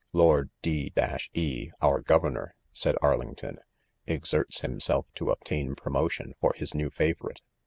" Lord D e, our Governor," said Ar lington, "exerts himself to obtain promotion for his new favorite.